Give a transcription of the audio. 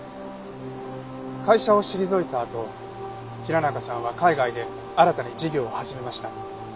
会社を退いたあと平中さんは海外で新たに事業を始めました。